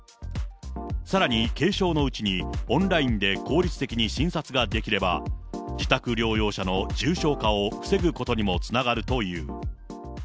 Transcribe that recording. さらに軽症のうちにオンラインで効率的に診察ができれば、自宅療養者の重症化を防ぐことにもつながるという。